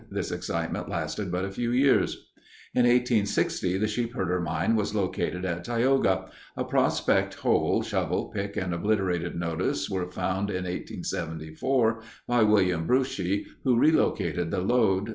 This excitement lasted but a few years. In 1860 the Sheepherder Mine was located at Tioga. A prospect hole, shovel, pick, and obliterated notice were found in 1874 by William Breuschi, who relocated the lode.